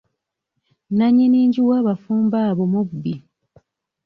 Nannyini nju w'abafumbo abo mubbi.